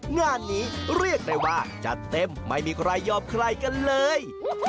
งานนี้เรียกได้ว่าจัดเต็มไม่มีใครยอมใครกันเลย